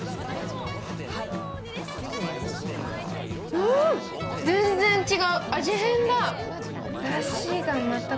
うーん、全然違う、味変だ。